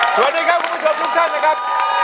สวัสดีครับคุณผู้ชมทุกท่านนะครับ